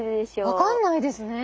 分かんないですね。